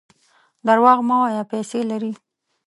درواغ مه وایه ! پیسې لرې.